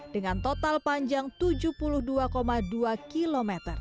dengan total panjang tujuh puluh dua dua km